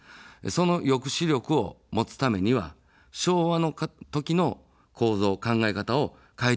その抑止力を持つためには昭和の時の構造、考え方を変えていくべきだと思っています。